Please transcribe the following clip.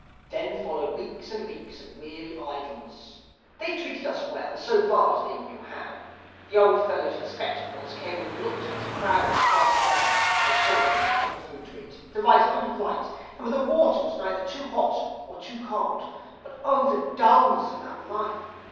"Then followed weeks and weeks of weary idleness. They treated us well, so far as they knew how. The old fellows in spectacles came and looked at us proudly twice a day and saw that we had the proper food to eat, the right amount of light and that the water was not too hot or too cold. But oh, the dullness of that life!